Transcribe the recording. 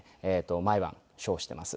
毎晩ショーをしています。